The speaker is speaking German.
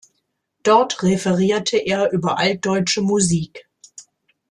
Dort referierte er über altdeutsche Musik.